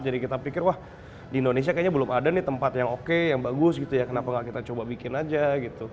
jadi kita pikir wah di indonesia kayaknya belum ada nih tempat yang oke yang bagus gitu ya kenapa nggak kita coba bikin aja gitu